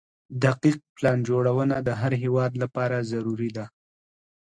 دقيق پلان جوړونه د هر هيواد لپاره ضروري ده.